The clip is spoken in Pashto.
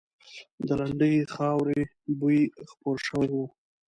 د لندې خاورې بوی خپور شوی و.